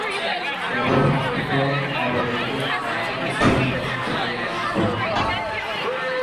কেবলমাত্র নরদেহে তাহারা পূর্ণত্ব লাভ করিতে পারে।